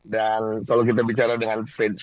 dan kalau kita bicara dengan